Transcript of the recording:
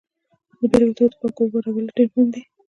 د بیلګې په توګه د پاکو اوبو برابرول ډیر مهم دي.